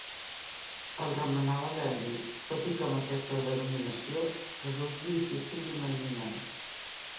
El remenava l'Elvis, tot i que amb aquesta denominació resulti difícil d'imaginar.